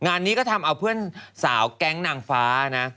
งานนี้ก็ทำเอาเพื่อนสาวแก๊งนางฟ้านะ